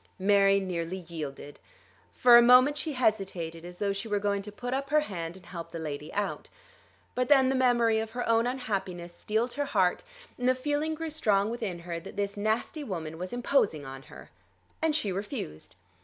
Mary nearly yielded. For a moment she hesitated as though she were going to put up her hand and help the lady out. But then the memory of her own unhappiness steeled her heart, and the feeling grew strong within her that this nasty woman was imposing on her, and she refused.